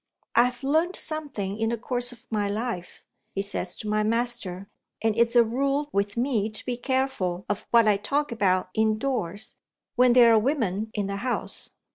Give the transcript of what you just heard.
'I've learnt something in the course of my life,' he says to my master; 'and it's a rule with me to be careful of what I talk about indoors, when there are women in the house.